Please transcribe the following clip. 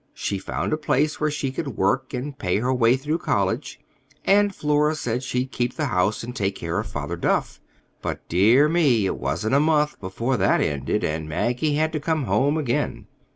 She found a place where she could work and pay her way through college, and Flora said she'd keep the house and take care of Father Duff. But, dear me; it wasn't a month before that ended, and Maggie had to come home again.